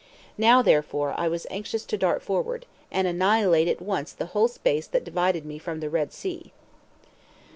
Now, therefore, I was anxious to dart forward, and annihilate at once the whole space that divided me from the Red Sea.